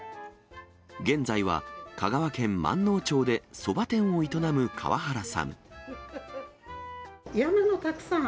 現在は香川県まんのう町でそば店を営む川原さん。